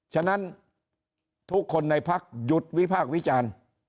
ฉะนั้นทุกคนในภักดิ์หยุดวิภาควิจารณ์